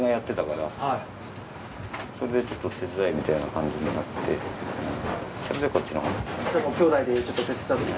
それでちょっと手伝えみたいな感じになってそれでこっちのほうに。